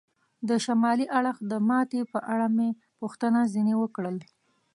د شمالي اړخ د ماتې په اړه مې پوښتنه ځنې وکړل.